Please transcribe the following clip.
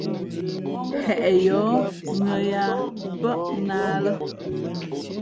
Heʼ yǒh mʉ̄ᾱ yāā pάʼ nā lά.